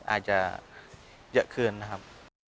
อาจจะเยอะขึ้นนะครับ